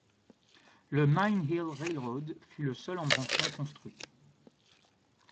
Le Mine Hill Railroad fut le seul embranchement construit.